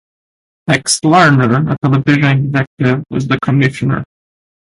Rex Lardner, a television executive, was the commissioner.